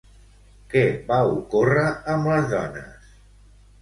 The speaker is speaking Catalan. Què va ocórrer amb les dones?